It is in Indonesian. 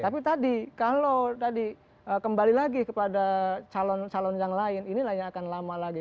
tapi tadi kalau tadi kembali lagi kepada calon calon yang lain inilah yang akan lama lagi